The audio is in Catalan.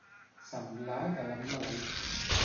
Semblar que l'han maleït.